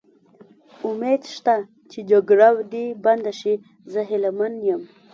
امید شته چې جګړه دې بنده شي، زه هیله من یم.